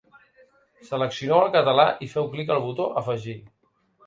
Seleccioneu el català i feu clic al botó “Afegir”.